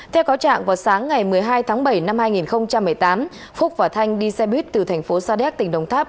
theo cáo trạng vào sáng ngày một mươi hai tháng bảy năm hai nghìn một mươi tám phúc và thanh đi xe buýt từ thành phố sa đéc tỉnh đồng tháp